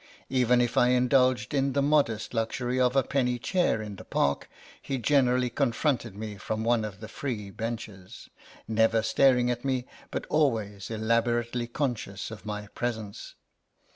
Even if I indulged in the modest luxury of a penny chair in the Park he generally confronted me from one of the free benches, never staring at me, but always elaborately conscious of my presence.